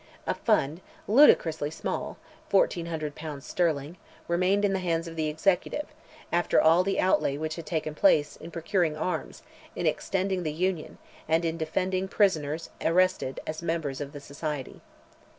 A fund, ludicrously small, 1,400 pounds sterling, remained in the hands of the Executive, after all the outlay which had taken place, in procuring arms, in extending the union, and in defending prisoners arrested as members of the society.